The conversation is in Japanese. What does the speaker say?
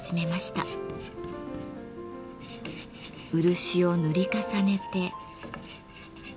漆を塗り重ねて。